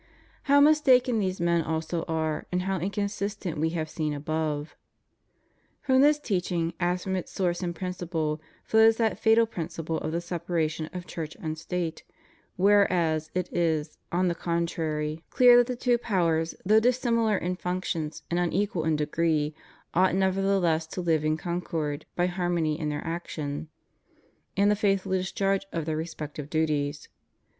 How mistaken these men also are, and how inconsistent, we have seen above. From this teaching, as from its source and principle, flows that fatal principle of the separation of Church and State; whereas it is, on the contrary^ cleft? 160 HUMAN LIBERTY. that the two powers, though dissimilar in functions and unequal in degree, ought nevertheless to Uve in concord, by harmony in their action and the faithful discharge of their respective duties.